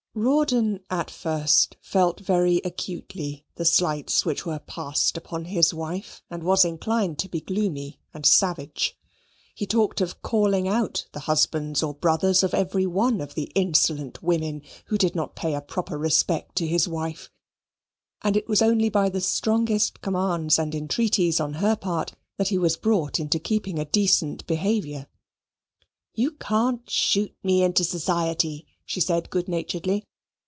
Rawdon at first felt very acutely the slights which were passed upon his wife, and was inclined to be gloomy and savage. He talked of calling out the husbands or brothers of every one of the insolent women who did not pay a proper respect to his wife; and it was only by the strongest commands and entreaties on her part that he was brought into keeping a decent behaviour. "You can't shoot me into society," she said good naturedly.